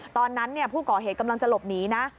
ตอนนั้นผู้ก่อเหตุกำลังจะหลบหนีนะ